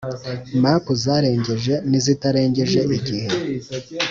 Map zarengeje n izitararengeje igihe